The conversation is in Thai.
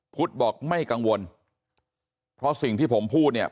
พุทธบอกไม่กังวลเพราะสิ่งที่ผมพูดเนี่ย